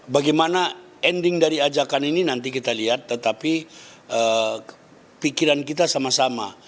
bagaimana ending dari ajakan ini nanti kita lihat tetapi pikiran kita sama sama